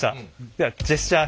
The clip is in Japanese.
ではジェスチャー！